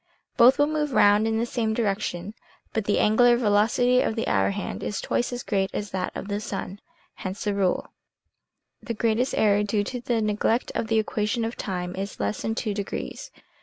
Both move round in the same direction, but the angular velocity of the hour hand is twice as great as that of the sun. Hence the rule. The greatest error due to the neglect of the equation of time is less than 2 degrees.